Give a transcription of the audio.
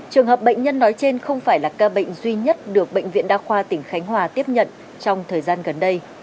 trường hợp bệnh nhân nói trên không phải là ca bệnh duy nhất được bệnh viện đa khoa tỉnh khánh hòa tiếp nhận trong thời gian gần đây